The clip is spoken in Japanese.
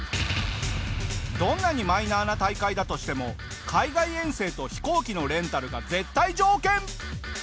どんなにマイナーな大会だとしても海外遠征と飛行機のレンタルが絶対条件！